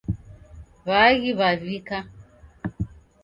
Waaghi wavika